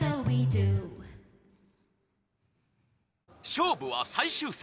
勝負は最終戦